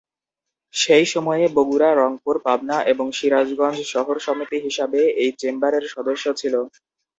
সেই সময়ে বগুড়া, রংপুর, পাবনা এবং সিরাজগঞ্জ শহর সমিতি হিসাবে এই চেম্বার এর সদস্য ছিল।